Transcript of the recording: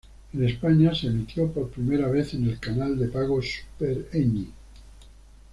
En España se emitió por primera vez en el canal de pago Super Ñ.